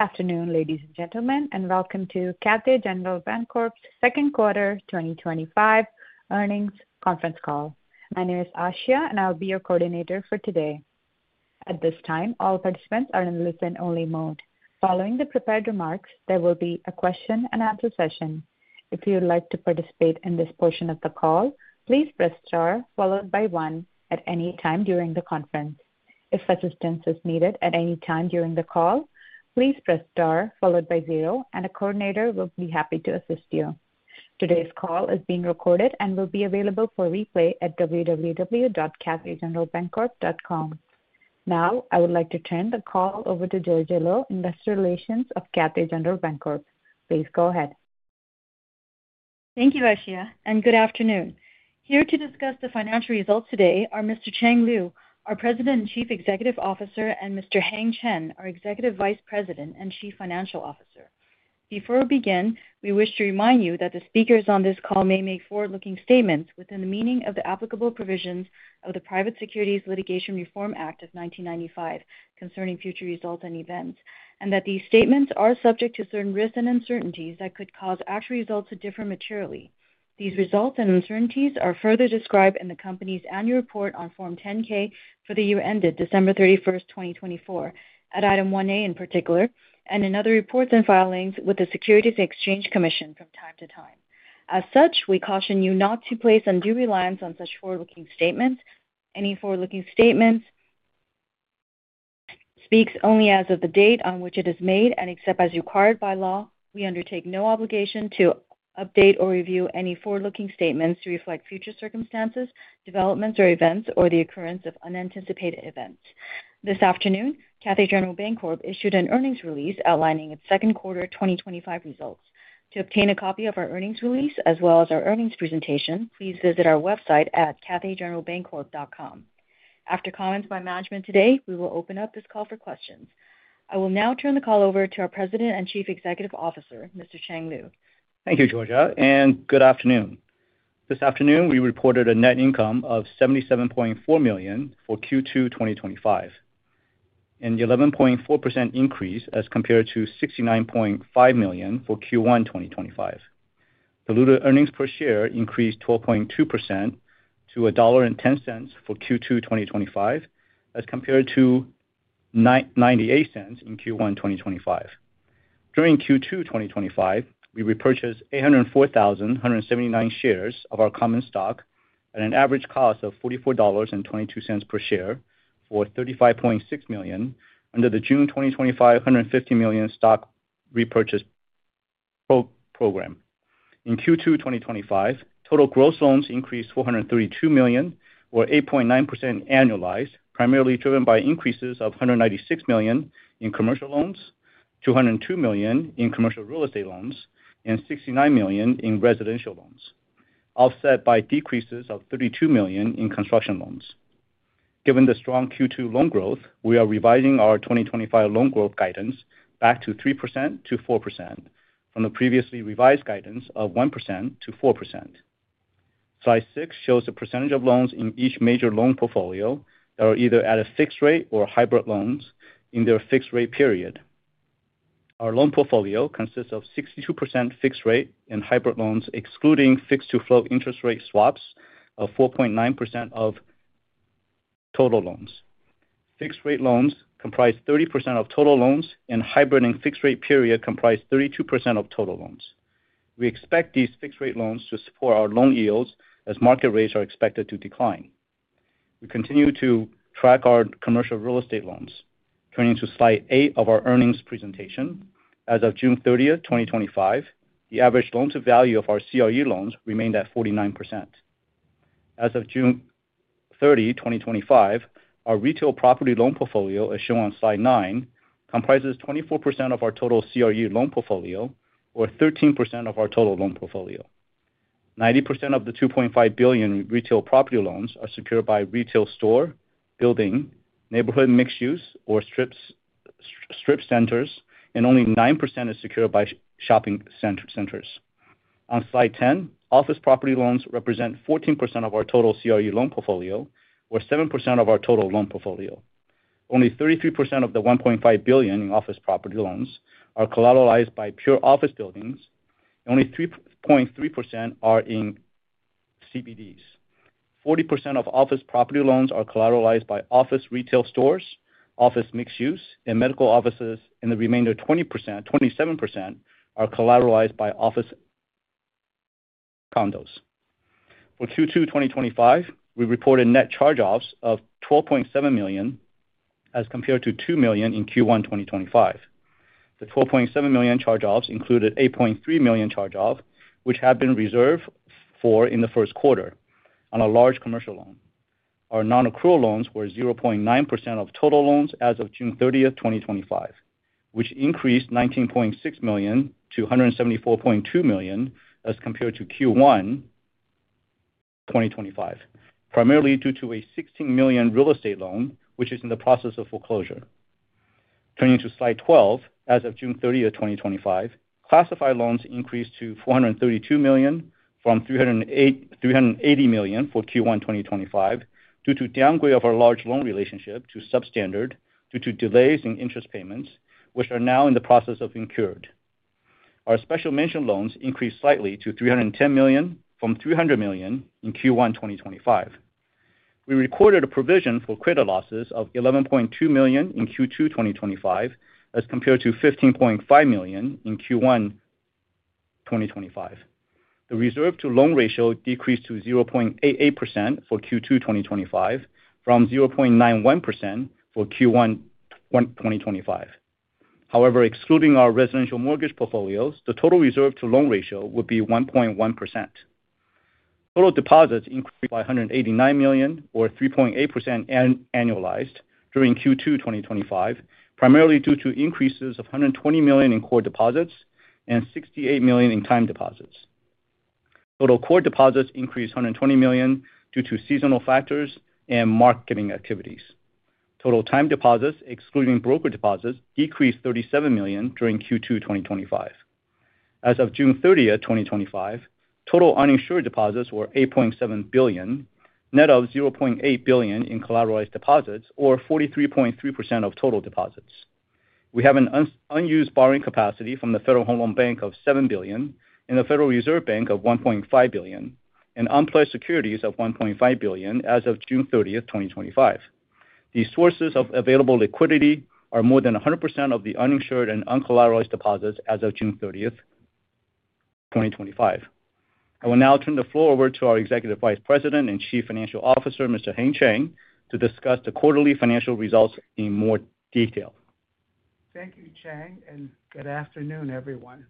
Afternoon, ladies and gentlemen, and welcome to Cathay General Bancorp's second quarter 2025 earnings conference call. My name is Ashia and I'll be your coordinator for today. At this time, all participants are in listen-only mode. Following the prepared remarks, there will be a question and answer session. If you'd like to participate in this portion of the call, please press star followed by one at any time during the conference. If assistance is needed at any time during the call, please press star followed by zero and a coordinator will be happy to assist you. Today's call is being recorded and will be available for replay at www.cathaygeneralbancorp.com. Now I would like to turn the call over to Georgia Lo, Investor Relations of Cathay General Bancorp. Please go ahead. Thank you, Ashia, and good afternoon. Here to discuss the financial results today are Mr. Chang Liu, our President and Chief Executive Officer, and Mr. Heng Chen, our Executive Vice President and Chief Financial Officer. Before we begin, we wish to remind you that the speakers on this call may make forward-looking statements within the meaning of the applicable provisions of the Private Securities Litigation Reform Act of 1995 concerning future results and events and that these statements are subject to certain risks and uncertainties that could cause actual results to differ materially. These risks and uncertainties are further described in the Company's Annual Report on Form 10-K for the year ended December 31, 2024, at Item 1A in particular and in other reports and filings with the Securities and Exchange Commission from time to time. As such, we caution you not to place undue reliance on such forward-looking statements. Any forward-looking statement speaks only as of the date on which it is made, and except as required by law, we undertake no obligation to update or review any forward-looking statements to reflect future circumstances, developments or events, or the occurrence of unanticipated events. This afternoon, Cathay General Bancorp issued an earnings release outlining its second quarter 2025 results. To obtain a copy of our earnings release as well as our earnings presentation, please visit our website at cathaygeneralbancorp.com. After comments by management today, we will open up this call for questions. I will now turn the call over to our President and Chief Executive Officer, Mr. Chang Liu. Thank you, Georgia, and good afternoon. This afternoon we reported a net income of $77.4 million for Q2 2025, an 11.4% increase as compared to $69.5 million for Q1 2025. Diluted earnings per share increased 12.2% to $1.10 for Q2 2025 as compared to $0.98 in Q1 2025. During Q2 2025, we repurchased 804,179 shares of our common stock at an average cost of $44.22 per share for $35.6 million under the June 2025 $150 million stock repurchase program. In Q2 2025, total gross loans increased $432 million, or 8.9% annualized, primarily driven by increases of $196 million in commercial loans, $202 million in commercial real estate loans, and $69 million in residential loans, offset by decreases of $32 million in construction loans. Given the strong Q2 loan growth, we are revising our 2025 loan growth guidance back to 3% to 4% from the previously revised guidance of 1% to 4%. Slide 6 shows the percentage of loans in each major loan portfolio that are either at a fixed rate or hybrid loans in their fixed rate period. Our loan portfolio consists of 62% fixed rate and hybrid loans, excluding fixed-to-float interest rate swaps of 4.9% of total loans. Fixed rate loans comprise 30% of total loans, and hybrid in fixed rate period comprise 32% of total loans. We expect these fixed rate loans to support our loan yields as market rates are expected to decline. We continue to track our commercial real estate loans, turning to Slide 8 of our earnings presentation. As of June 30, 2025, the average loan-to-value of our CRE loans remained at 49%. As of June 30, 2025, our retail property loan portfolio, as shown on Slide 9, comprises 24% of our total CRE loan portfolio or 13% of our total loan portfolio. 90% of the $2.5 billion retail property loans are secured by retail store buildings, neighborhood, mixed-use, or strip centers, and only 9% is secured by shopping centers. On Slide 10, office property loans represent 14% of our total CRE loan portfolio or 7% of our total loan portfolio. Only 33% of the $1.5 billion in office property loans are collateralized by pure office buildings, and only 3.3% are in CBDs. 40% of office property loans are collateralized by office retail stores, office mixed-use, and medical offices, and the remainder, 27%, are collateralized by office condos. For Q2 2025, we reported net charge-offs of $12.7 million as compared to $2 million in Q1 2025. The $12.7 million charge-offs included an $8.3 million charge-off which had been reserved for in the first quarter on a large commercial loan. Our nonaccrual loans were 0.9% of total loans as of June 30, 2025, which increased $19.6 million to $174.2 million as compared to Q1 2025, primarily due to a $16 million commercial real estate loan which is in the process of foreclosure. Turning to Slide 12, as of June 30, 2025, classified loans increased to $432 million from $380 million for Q1 2025 due to downgrade of our large loan relationship to Substandard due to delays in interest payments which are now in the process of being incurred. Our Special Mention loans increased slightly to $310 million from $300 million in Q1 2025. We recorded a provision for credit losses of $11.2 million in Q2 2025 as compared to $15.5 million in Q1 2025. The reserve-to-loan ratio decreased to 0.88% for Q2 2025 from 0.91% for Q1 2025. However, excluding our residential loans portfolios, the total reserve-to-loan ratio would be 1.1%. Total deposits increased by $189 million or 3.8% annualized during Q2 2025, primarily due to increases of $120 million in core deposits and $68 million in time deposits. Total core deposits increased $120 million due to seasonal factors and marketing activities. Total time deposits excluding brokered time deposits decreased $37 million during Q2 2025. As of June 30, 2025, total uninsured deposits were $8.7 billion, net of $0.8 billion in collateralized deposits, or 43.3% of total deposits. We have an unused borrowing capacity from the Federal Home Loan Bank of $7 billion and the Federal Reserve Bank of $1.5 billion and unpledged securities of $1.5 billion as of June 30, 2025. The sources of available liquidity are more than 100% of the uninsured and uncollateralized deposits as of June 30, 2025. I will now turn the floor over to our Executive Vice President and Chief Financial Officer, Mr. Heng Chen, to discuss the quarterly financial results in more detail. Thank you Chang and good afternoon everyone.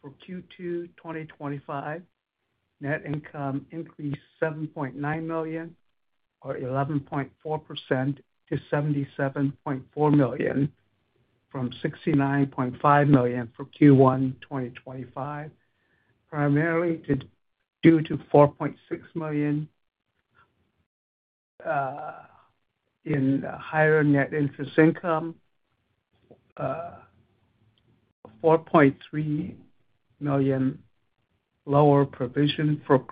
For Q2 2025, net income increased $7.9 million or 11.4% to $77.4 million from $69.5 million for Q1 2025, primarily due to $4.6 million in higher net interest income, $4.3 million lower provision for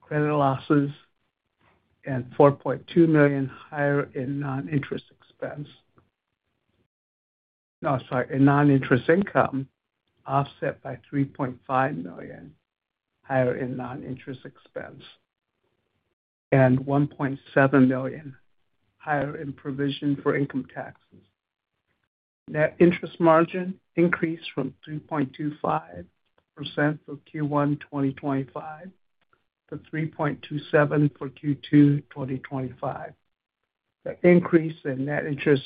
credit losses, and $4.2 million higher in noninterest income, offset by $3.5 million higher in noninterest expense and $1.7 million higher in provision for income taxes. Net interest margin increased from 3.25% for Q1 2025 to 3.27% for Q2 2025. The increase in net interest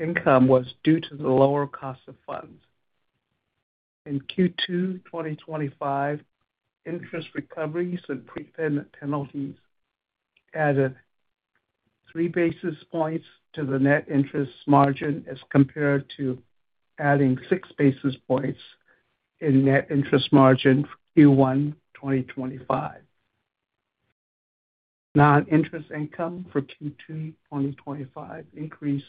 income was due to the lower cost of funds in Q2 2025. Interest recoveries and prepayment penalties added 3 basis points to the net interest margin as compared to adding 6 basis points in net interest margin for Q1 2025. Noninterest income for Q2 2025 increased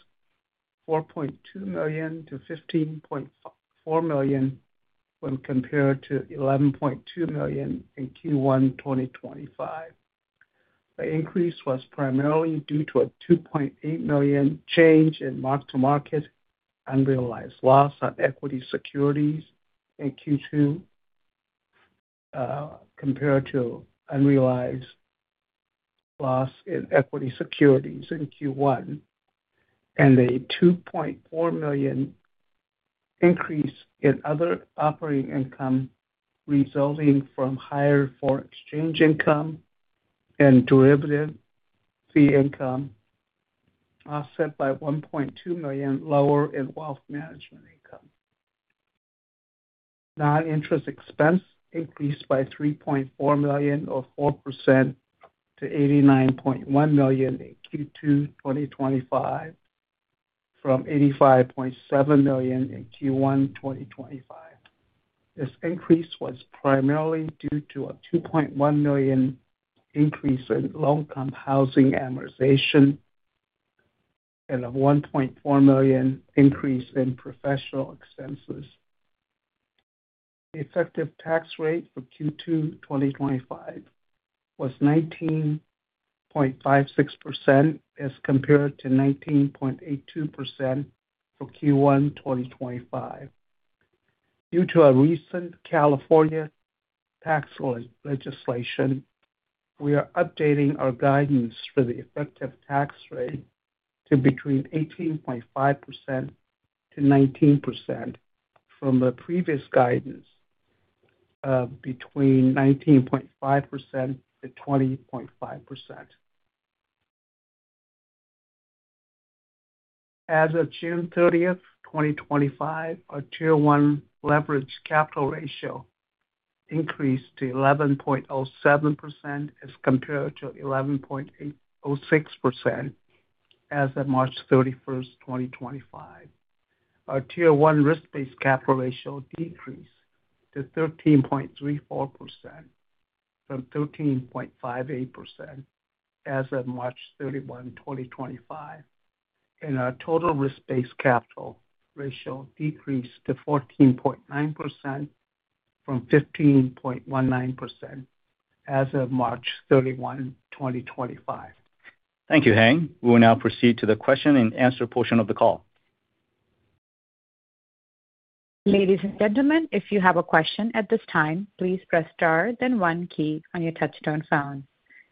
$4.2 million to $15.4 million when compared to $11.2 million in Q1 2025. The increase was primarily due to a $2.8 million change in mark-to-market unrealized loss on equity securities in Q2 compared to unrealized loss in equity securities in Q1 and a $2.4 million increase in other operating income resulting from higher foreign exchange income and derivative fee income, offset by $1.2 million lower in wealth management income. Noninterest expense increased by $3.4 million or 4% to $89.1 million in Q2 2025 from $85.7 million in Q1 2025. This increase was primarily due to a $2.1 million increase in low income housing amortization and a $1.4 million increase in professional fees. The effective tax rate for Q2 2025 was 19.56% as compared to 19.82% for Q1 2025. Due to our recent California tax legislation, we are updating our guidance for the effective tax rate to between 18.5% to 19% from the previous guidance between 19.5% to 20.5%. As of June 30, 2025, our Tier 1 leverage capital ratio increased to 11.07% as compared to 11.806% as of March 31, 2025. Our Tier 1 risk-based capital ratio decreased to 13.34% from 13.58% as of March 31, 2025, and our total risk-based capital ratio decreased to 14.9% from 15.19% as of March 31, 2025. Thank you Heng. We will now proceed to the question and answer portion of the call. Ladies and gentlemen, if you have a question at this time, please press star then one key on your touchtone phone.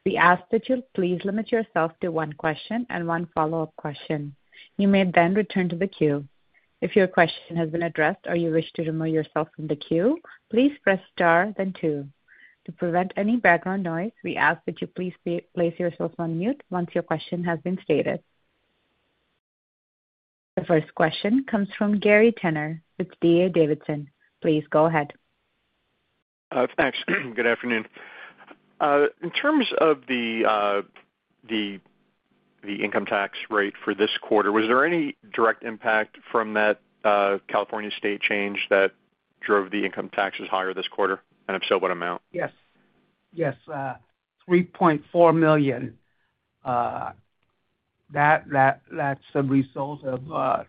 We ask that you please limit yourself to one question and one follow up question. You may then return to the queue. If your question has been addressed or you wish to remove yourself from the queue, please press Star then two to prevent any background noise. We ask that you please place yourself on mute once your question has been stated. The first question comes from Gary Tenner with D.A. Davidson & Co. Please go ahead. Thanks. Good afternoon. In terms of the income tax rate for this quarter, was there any direct impact from that California state change that drove the income taxes higher this quarter, and if so, what amount? Yes, yes, $3.4 million. That's a result of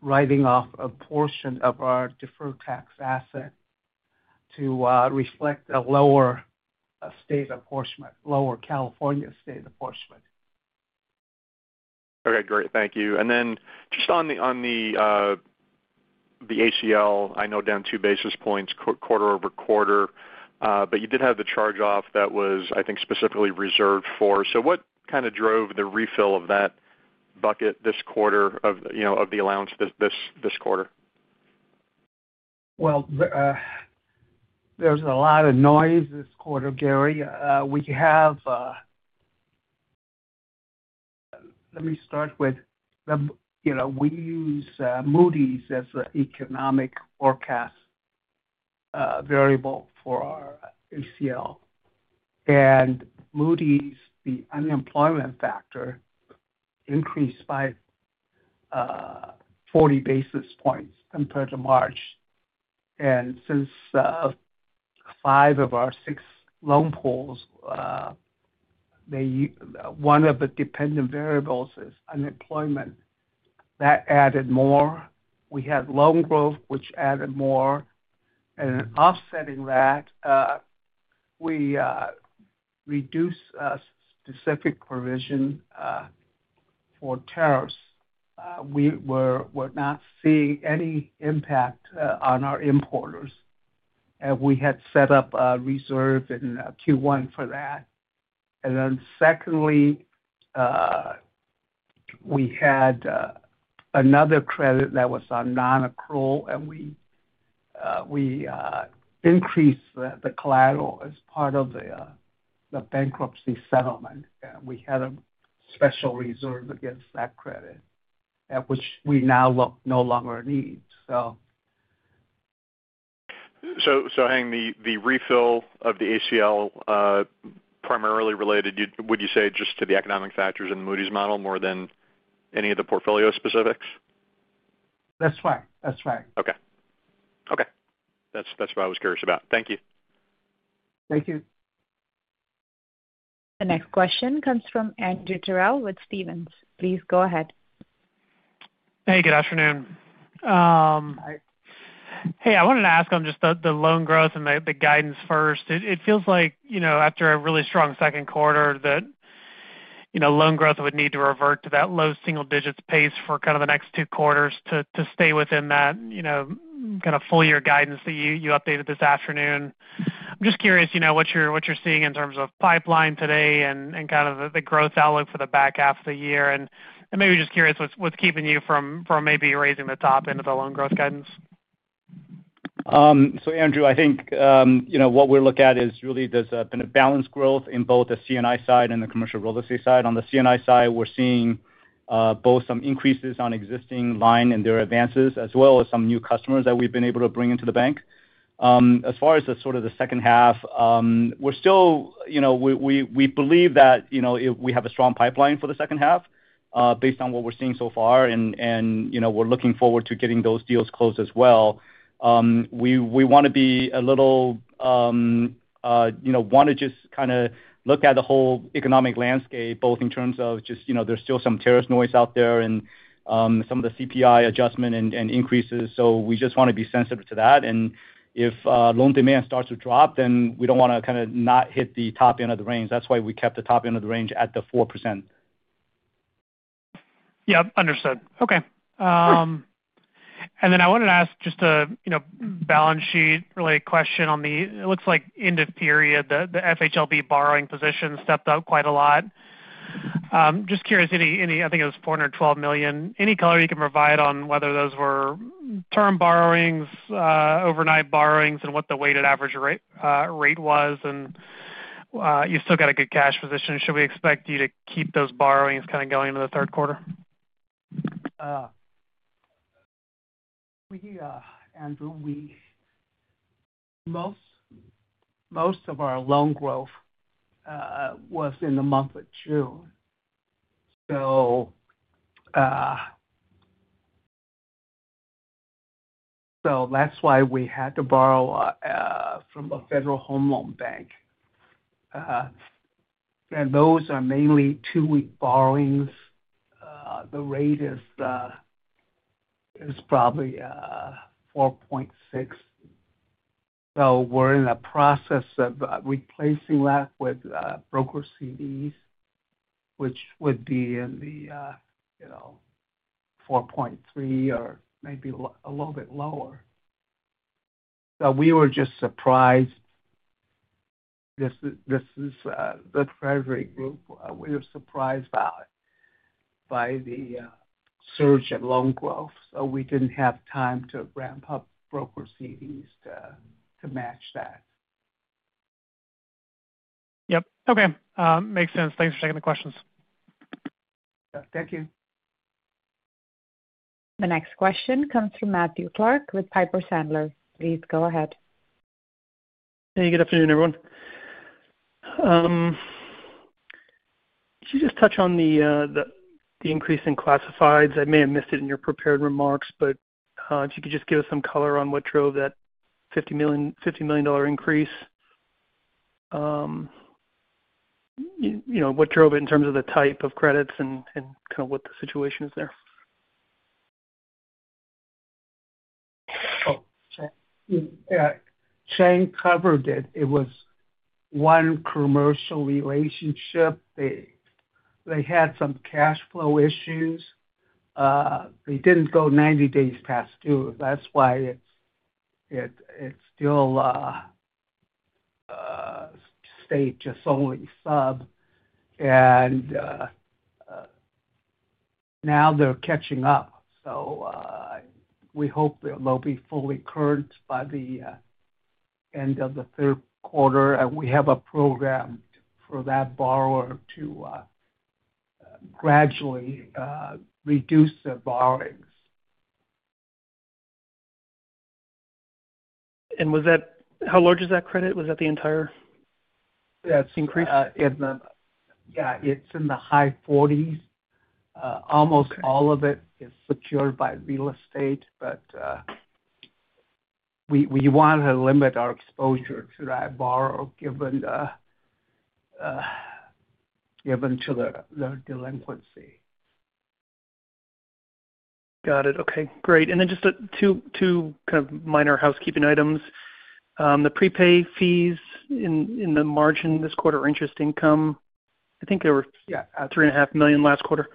writing off a portion of our deferred tax asset to reflect a lower state apportionment, lower California state apportionment. Okay, great. Thank you. On the ACL, I know down 2 basis points quarter over quarter. You did have the charge off that was, I think, specifically reserved for. What kind of drove the refill of that bucket this quarter, of the allowance this quarter? There is a lot of noise this quarter, Gary. Let me start with, you know, we use Moody's as an economic forecast variable for our ACL, and Moody's, the unemployment factor increased by 40 basis points compared to March. Since five of our six loan pools, one of the dependent variables is unemployment, that added more. We had loan growth, which added more. Offsetting that, we reduced specific provision for tariffs. We're not seeing any impact on our importers, and we had set up a reserve in Q1 for that. Secondly, we had another credit that was on nonaccrual, and we increased the collateral as part of the bankruptcy settlement. We had a special reserve against that credit, which we now no longer need. Heng, the refill of the ACL, primarily related, would you say just to the economic factors in Moody's model more than any of the portfolio specifics? That's fine. That's fine. Okay. Okay. That's what I was curious about. Thank you. Thank you. The next question comes from Andrew Terrell with Stephens Inc. Please go ahead. Hey, good afternoon. Hey. I wanted to ask on just the loan growth and the guidance first. It feels like after a really strong second quarter, that loan growth would need to revert to that low single digits pace for kind of the next two quarters to stay within that kind of full year guidance that you updated this afternoon. I'm just curious what you're seeing in terms of pipeline today and kind of the growth outlook for the back half of the year, and maybe just curious, what's keeping you from maybe raising the top end of the loan growth guidance? Andrew, I think what we look at is really there's been a balanced growth in both the C&I side and the commercial real estate side. On the C&I side, we're seeing both some increases on existing line and their advances as well as some new customers that we've been able to bring into the bank. As far as the sort of the second half, we believe that we have a strong pipeline for the second half based on what we're seeing so far and we're looking forward to getting those deals closed as well. We want to just kind of look at the whole economic landscape both in terms of just there's still some tariff noise out there and some of the CPI adjustment and increases. We just want to be sensitive to that. If loan demand starts to drop, then we don't want to kind of not hit the top end of the range. That's why we kept the top end of the range at the forefront. Yep, understood. Okay. I wanted to ask just a balance sheet related question. It looks like end of period, the FHLB borrowing position stepped up quite a lot. Just curious. Any. I think it was $412 million. Any color you can provide on whether those were term borrowings, overnight borrowings, and what the weighted average rate was? You still got a good cash position. Should we expect you to keep those borrowings kind of going into the quarter? Andrew, most of our loan growth was in the month of June. That's why we had to borrow from a Federal Home Loan Bank. Those are mainly two-week borrowings. The rate is probably 4.6%. We're in the process of replacing that with brokered time deposits, which would be in the 4.3% or maybe a little bit lower. We were just surprised. This is the Treasury Group. We were surprised by the surge in loan growth. We didn't have time to ramp up brokered time deposits to match that. Yep. Yeah. Okay, makes sense. Thanks for taking the questions. Thank you. The next question comes from Matthew Clark with Piper Sandler. Please go ahead. Hey, good afternoon everyone. Could you just touch on the increase in classified loans? I may have missed it in your prepared remarks, but if you could just give us some color on what drove that $50 million increase. You know what drove it in terms of the type of credits and kind of what the situation is there? Chang covered it. It was one commercial relationship. They had some cash flow issues. They didn't go 90 days past due. That's why it still stayed just only sub. Now they're catching up. We hope they'll be fully current by the end of the third quarter. We have a program for that borrower to gradually reduce the borrowings. How large is that credit? Was that the entire? Yeah, it's in the high 40s. Almost all of it is secured by real estate. We want to limit our exposure to that borrower given the delinquency. Got it. Okay, great. Just two kind of minor housekeeping items. The prepay fees in the margin this quarter, interest income. I think there were $3.5 million last quarter.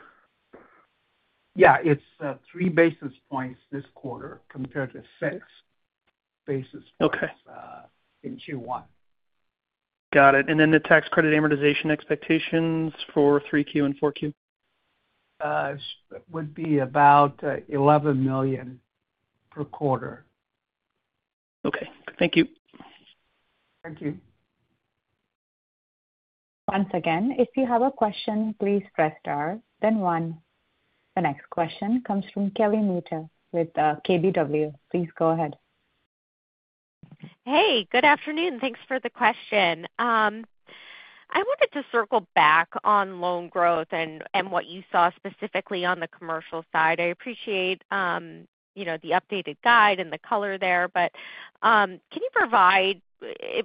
Yeah, it's 3 basis points this quarter compared to 6 basis points in Q1. Got it. The tax credit amortization expectations for 3Q and 4Q? Would be about $11 million per quarter. Okay, thank you. Thank you. Once again, if you have a question, please press star then one. The next question comes from Kelly Motta with Keefe, Bruyette & Woods. Please go ahead. Hey, good afternoon. Thanks for the question. I wanted to circle back on loan growth and what you saw specifically on the commercial side. I appreciate the updated guide and the color there, but can you provide,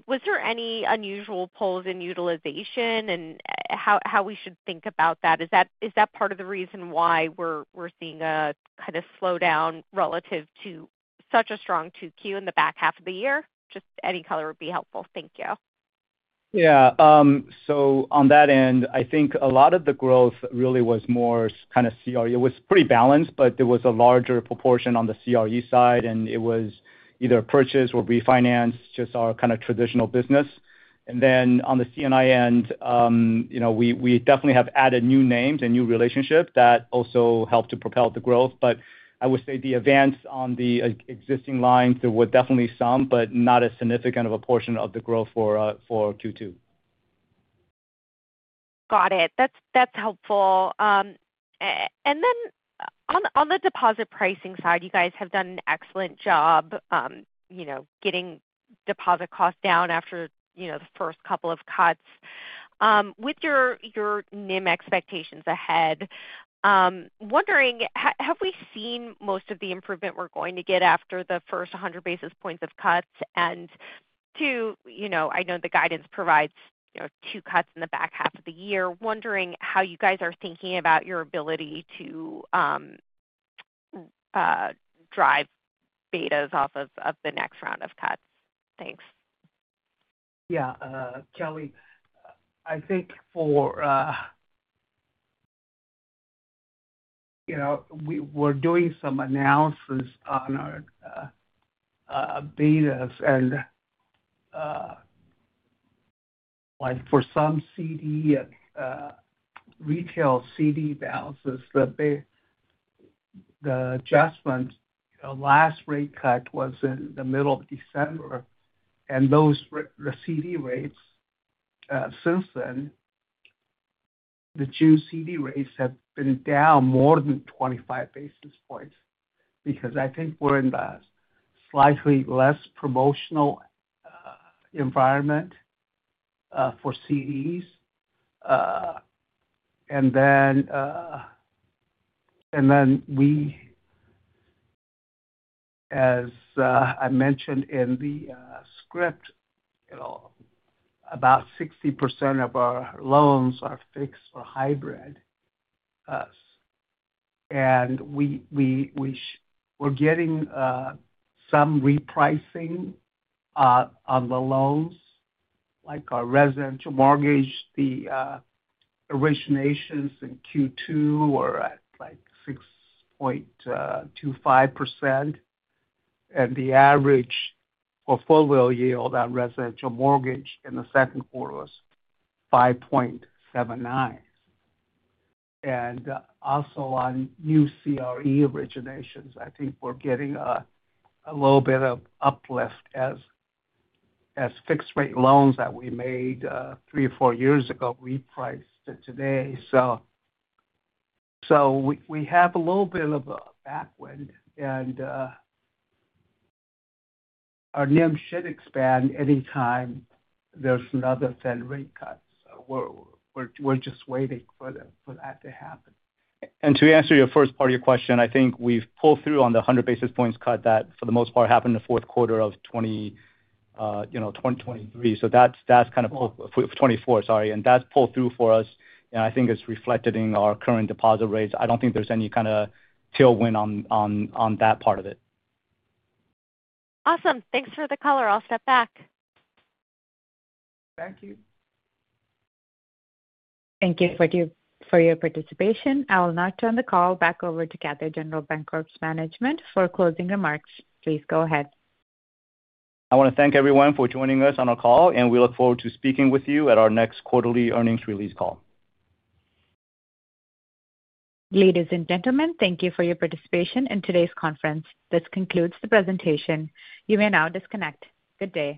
was there any unusual pulls in utilization and how we should think about that? Is that part of the reason why we're seeing a kind of slowdown relative to such a strong 2Q in the back half of the year? Just any color would be helpful. Thank you. Yeah. On that end, I think a lot of the growth really was more kind of CRE. It was pretty balanced, but there was a larger proportion on the CRE side and it was either purchase or refinance, just our kind of traditional business. On the C&I end, we definitely have added new names and new relationships that also help to propel the growth. I would say the advance on the existing lines, there were definitely some, but not as significant of a portion of the growth for Q2. Got it. That's helpful. On the deposit pricing side, you guys have done an excellent job getting deposit costs down after the first couple of cuts. With your NIM expectations ahead, wondering have we seen most of the improvement we're going to get after the first 100 bps of cuts? I know the guidance provides two cuts in the back half of the year. Wondering how you guys are thinking about your ability to drive betas off of the next round of cuts. Thanks. Yeah, Kelly, I think for, you know, we were doing some analysis on our betas and like for some retail CD balances, the adjustment last rate cut was in the middle of December, and those CD rates since then, the June CD rates have been down more than 25 basis points because I think we're in the slightly less promotional environment for CDs. And then, as I mentioned in the script, about 60% of our loans are fixed or hybrid and we're getting some repricing on the loans like our residential mortgage. The originations in Q2 were at 6.25% and the average portfolio yield on residential mortgage in the second quarter was 5.79%. Also, on new commercial real estate originations I think we're getting a little bit of uplift as fixed rate loans that we made three or four years ago reprice today. We have a little bit of a backwind and our net interest margin should expand anytime there's another Federal Reserve rate cut. We're just waiting for that to happen. To answer your first part of your question, I think we've pulled through on the 100 basis points cut that for the most part happened in the fourth quarter of 2023. That's kind of 2024. Sorry. That's pulled through for us. I think it's reflected in our current deposit rates. I don't think there's any kind of tailwind on that part of it. Awesome. Thanks for the color. I'll step back. Thank you. Thank you for your participation. I will now turn the call back over to Cathay General Bancorp's management for closing remarks. Please go ahead. I want to thank everyone for joining us on our call, and we look forward to speaking with you at our next quarterly earnings release call. Ladies and gentlemen, thank you for your participation in today's conference. This concludes the presentation. You may now disconnect. Good day.